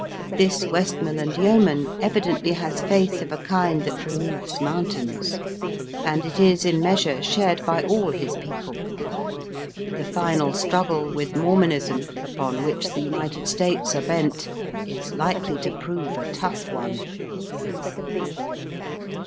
This Westmoreland yeoman evidently has faith of a kind that removes mountains ; and as it is in measure shared by all his people, the final struggle with Mor monism, upon which the United States are bent, is likely to prove a tough one.